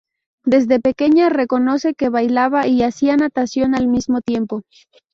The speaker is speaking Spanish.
Desde pequeña reconoce que bailaba y hacía natación al mismo tiempo.